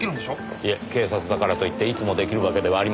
いえ警察だからといっていつも出来るわけではありませんよ。